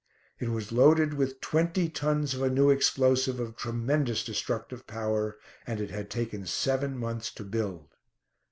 It was loaded with twenty tons of a new explosive of tremendous destructive power, and it had taken seven months to build.